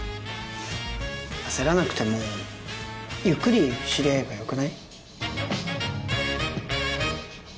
焦らなくてもゆっくり知り合えばよくない？